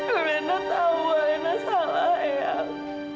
alena tahu alena salah eang